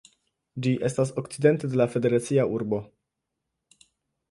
Ĝi estas okcidente de la federacia urbo.